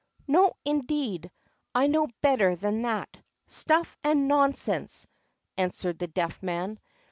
No, indeed; I know better than that." "Stuff and nonsense!" answered the Deaf Man.